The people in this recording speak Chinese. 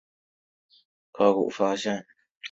此处曾发现许多铁器时代的考古发现。